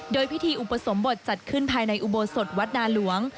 โดยพิธีอุปสมบทจัดขึ้นภายในอุโบสถวัดนาหลวง